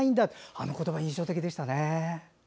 あの言葉、印象的でしたね。